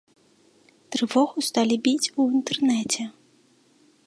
Трывогу сталі біць у інтэрнэце.